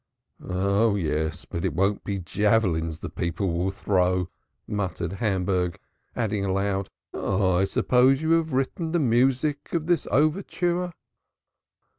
"Yes, but it won't be javelins the people will throw," murmured Hamburg, adding aloud: "I suppose you have written the music of this overture."